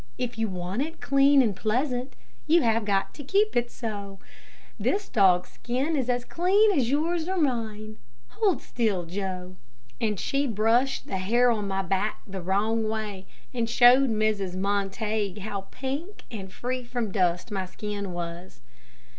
If you want it clean and pleasant, you have got to keep it so. This dog's skin is as clean as yours or mine. Hold still, Joe," and she brushed the hair on my back the wrong way, and showed Mrs. Montague how pink and free from dust my skin was.